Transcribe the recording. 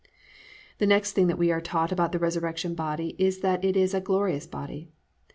6. The next thing that we are taught about the resurrection body is that it is a glorious body.